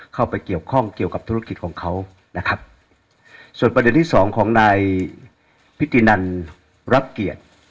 เข้าไปเกี่ยวข้องเกี่ยวกับธุรกิจของเขานะครับส่วนประเด็นที่สองของนายพิธีนันรับเกียรติ